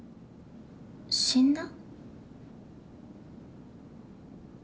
死んだ？